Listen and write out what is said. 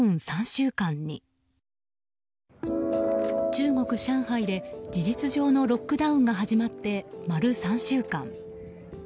中国・上海で事実上のロックダウンが始まって丸３週間。